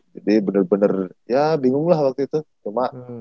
jadi bener bener ya bingung lah waktu itu cuma